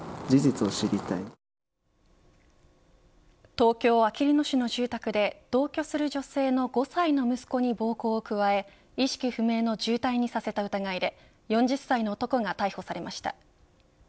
東京、あきる野市の住宅で同居する女性の５歳の息子に暴行を加え意識不明の重体にさせた疑いで４０歳の男が逮捕されました。